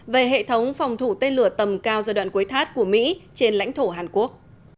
về hệ thống phòng thủ tên lửa tầm cao giai đoạn cuối thắt của mỹ trên lãnh thổ hàn quốc